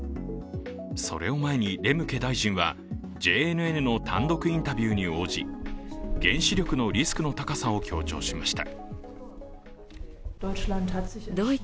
それを前にレムケ大臣はＪＮＮの単独インタビューに応じ、原子力のリスクの高さを強調しました。